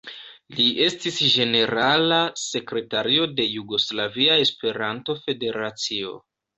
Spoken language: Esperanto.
Li estis ĝenerala sekretario de Jugoslavia Esperanto-Federacio.